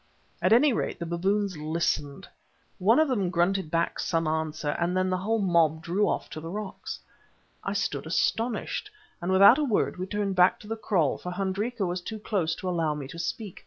At any rate the baboons listened. One of them grunted back some answer, and then the whole mob drew off to the rocks. I stood astonished, and without a word we turned back to the kraal, for Hendrika was too close to allow me to speak.